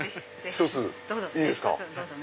１ついいですか。